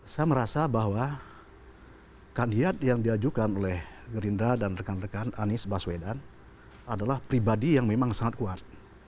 saya merasa bahwa kandiat yang diajukan oleh gerindra dan rekan rekan anies baswedan adalah pribadi yang memang sangat kuat